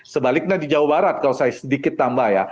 sebaliknya di jawa barat kalau saya sedikit tambah ya